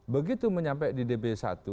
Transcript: begitu menyampai di db satu